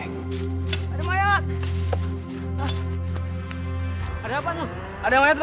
iya kita pergi dulu